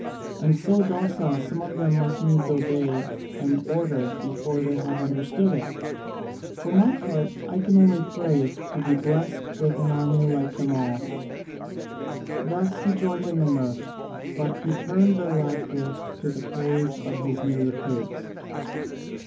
And so docile, some of them must needs obey an order before they have understood it! For my part I can only pray to be blest with an army like them all." Thus he joined in the mirth, but he turned the laughter to the praise of his new recruits.